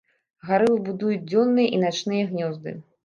Гарылы будуюць дзённыя і начныя гнёзды.